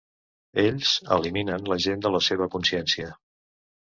Ells "eliminen" la gent de la seva consciència.